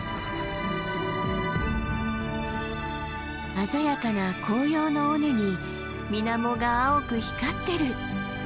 鮮やかな紅葉の尾根に水面が青く光ってる！